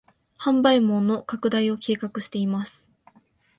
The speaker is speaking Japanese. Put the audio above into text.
販売網の拡大を計画しています